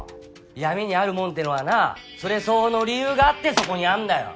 闇にあるもんってのはなそれ相応の理由があってそこにあんだよ。